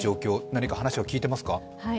何か話は聞いていますか。